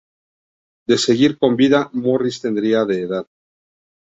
De seguir con vida, Morris tendría de edad.